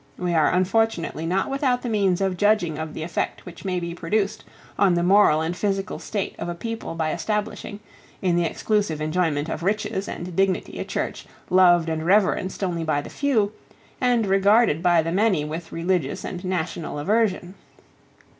We are unfortunately not without the means of judging of the effect which may be produced on the moral and physical state of a people by establishing, in the exclusive enjoyment of riches and dignity a Church loved and reverenced only by the few, and regarded by the many with religious and national aversion.